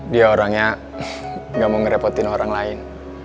dia orangnya gak mau ngerepotin orang lain